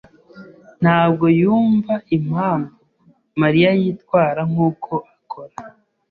ntabwo yumva impamvu Mariya yitwara nkuko akora.